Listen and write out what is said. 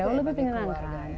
jauh lebih menyenangkan